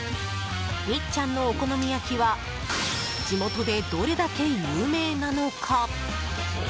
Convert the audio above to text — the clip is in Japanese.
みっちゃんのお好み焼きは地元でどれだけ有名なのか。